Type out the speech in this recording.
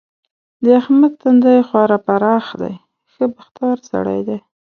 د احمد تندی خورا پراخ دی؛ ښه بختور سړی دی.